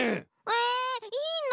えいいな！